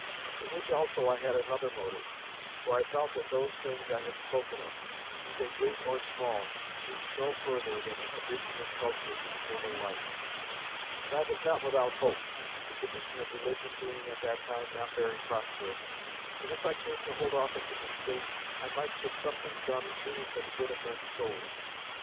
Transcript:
In which also I had another motive: for I felt that those things I have spoken of be they great or small reach no further than the condition and culture of this mortal life; and I was not without hope (the condition of religion being at that time not very prosperous) that if I came to hold office in the State, I might get something done too for the good of men's souls.